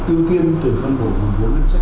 ưu tiên từ phân bổ của bốn nâng sách